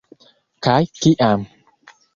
Kaj kiam.